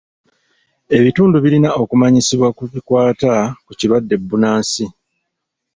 Ebitundu birina okumanyisibwa ku bikwata ku kirwadde bbunansi.